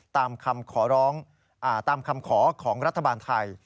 ตามคำขอของรัฐบาลไทย